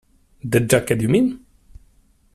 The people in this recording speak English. The jacket, you mean?